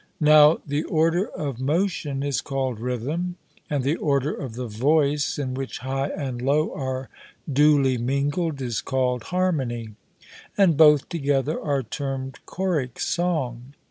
Now the order of motion is called rhythm, and the order of the voice, in which high and low are duly mingled, is called harmony; and both together are termed choric song.